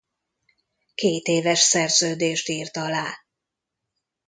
Kétéves szerződést írt alá.